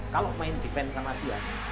kalau main defense sama dia